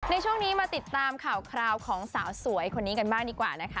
ในช่วงนี้มาติดตามข่าวคราวของสาวสวยคนนี้กันบ้างดีกว่านะคะ